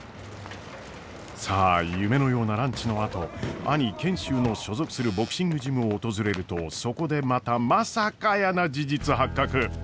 さあ夢のようなランチのあと兄賢秀の所属するボクシングジムを訪れるとそこでまたまさかやーな事実発覚！